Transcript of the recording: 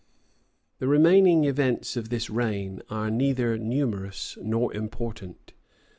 {1602.} The remaining events of this reign are neither numerous nor important.